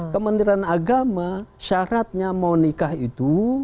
kementerian agama syaratnya mau nikah itu